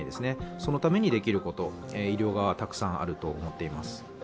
そのためにできること、医療側はたくさんあると思っています。